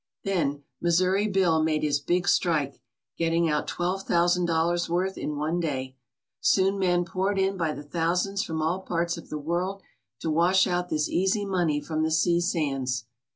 Then "Missouri Bill" made his big strike, getting out twelve thousand dollars' worth in one day. Soon men poured in by the thousands from all parts of the world to wash out this easy money from the sea sands.